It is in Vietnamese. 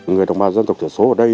người đồng bào dân tộc thiểu số ở đây